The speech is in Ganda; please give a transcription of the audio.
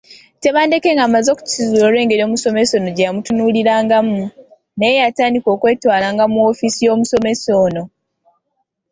Tebandeke ng’amaze okukizuula olw’engeri omusomesa ono gye yamutunuulirangamu, naye yatandika okwetwalanga mu woofiisi y’omusomesa ono.